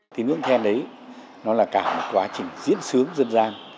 tín ngưỡng then đấy nó là cả một quá trình diễn sướng dân gian